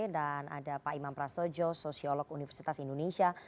dan ada pak imam prasojo sosiolog universitas indonesia